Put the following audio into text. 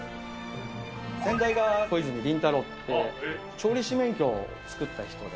先代が小泉林太郎って、調理師免許を作った人で。